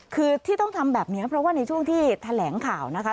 คือที่ต้องทำแบบนี้เพราะว่าในช่วงที่แถลงข่าวนะคะ